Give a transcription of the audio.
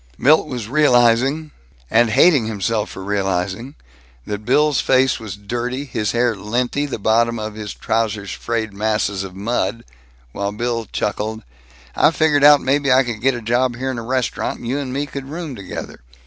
Milt was realizing and hating himself for realizing that Bill's face was dirty, his hair linty, the bottoms of his trousers frayed masses of mud, while Bill chuckled: "I figured out maybe I could get a job here in a restaurant, and you and me could room together.